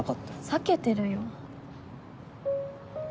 避けてるよ。